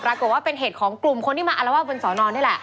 ปรากฏว่าเป็นเหตุของกลุ่มคนที่มาอารวาสบนสอนอนนี่แหละ